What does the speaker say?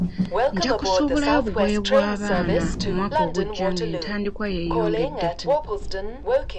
Nja kusuubulayo obugoye bw'abaana omwaka ogujja nga entandikwa yeeyongeddeko.